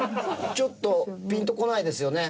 ちょっとピンとこないですよね。